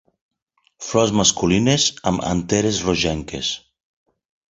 Flors masculines amb anteres rogenques.